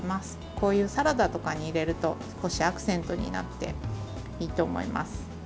こういうサラダとかに入れると少しアクセントになっていいと思います。